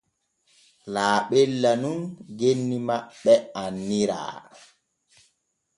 Laaɓella nun genni maɓɓe annira.